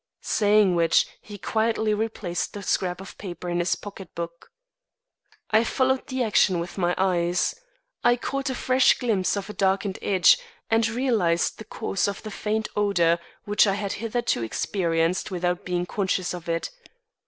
Saying which, he quietly replaced the scrap of paper in his pocket book. I followed the action with my eyes. I caught a fresh glimpse of a darkened edge, and realised the cause of the faint odour which I had hitherto experienced without being conscious of it.